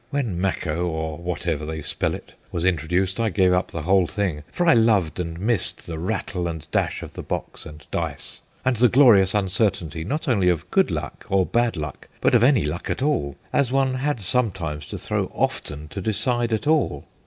When Macco (or whatever they spell it) was introduced, I gave up the whole thing ; for I loved and missed the rattle and dash of the box and dice, and the glorious uncertainty, not only of good luck or bad luck, but of any luck at all, as one had sometimes to throw often to decide at all.